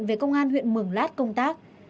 về công an huyện mường lát công tác